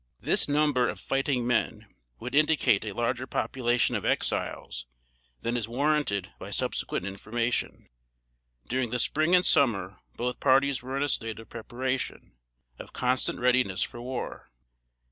This number of fighting men would indicate a larger population of Exiles than is warranted by subsequent information. [Sidenote: 1817.] During the Spring and Summer, both parties were in a state of preparation of constant readiness for war.